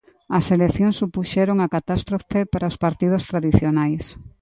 As eleccións supuxeron a catástrofe para os partidos tradicionais.